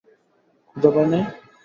ক্ষুধা পায় নাই?